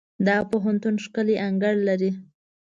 دا پوهنتون ښکلی انګړ لري.